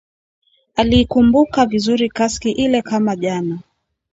Aliikumbuka vizuri kaski ile kama jana